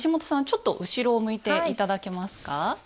ちょっと後ろを向いて頂けますか。